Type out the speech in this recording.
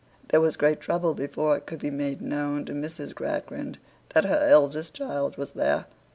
There was great trouble before it could be made known to Mrs. Gradgrind that her eldest child was there.